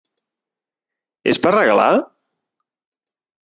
És per regalar?